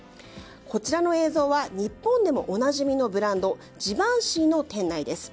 こちらの映像は日本でもおなじみのブランドジバンシーの店内です。